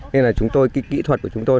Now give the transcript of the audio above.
nên là chúng tôi cái kỹ thuật của chúng tôi